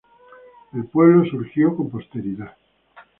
El pueblo fue surgiendo con posterioridad.